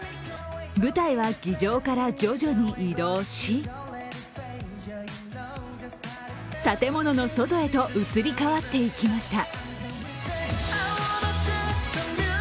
舞台は議場から徐々に移動し建物の外へと移り変わっていきました。